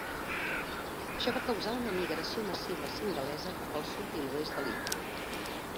Això va causar una migració massiva singalesa cap al sud i l'oest de l'illa.